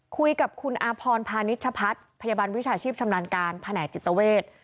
คุยกับคุณอาพรพาณิชพัฒน์พยาบาลวิชาชีพชำนาญการแผนกจิตเวท